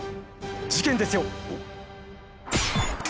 事件ですよ。